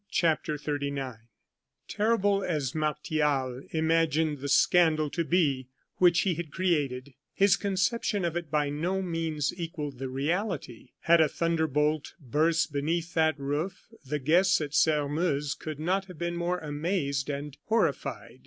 CHAPTER XXXIX Terrible as Martial imagined the scandal to be which he had created, his conception of it by no means equalled the reality. Had a thunder bolt burst beneath that roof, the guests at Sairmeuse could not have been more amazed and horrified.